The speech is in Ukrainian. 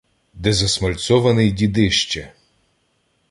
Де засмальцьований дідище